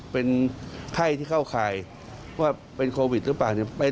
เป็นไข้ที่เข้าข่ายว่าเป็นโควิดหรือเปล่าเนี่ย